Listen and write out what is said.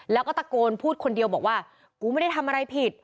แล้วก็ตะโกนพูดคนเดียวบอกว่ากูไม่ได้ทำอะไรผิด